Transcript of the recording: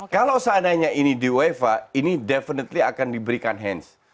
kalau seandainya ini di uefa ini definitely akan diberikan hands